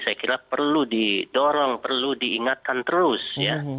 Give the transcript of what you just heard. saya kira perlu didorong perlu diingatkan terus ya